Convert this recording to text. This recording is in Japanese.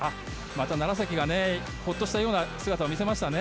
楢崎がホッとしたような姿を見せましたね。